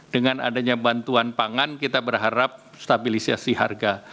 dengan adanya bantuan pangan kita berharap stabilisasi harga